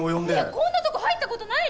こんなとこ入ったことないですもん！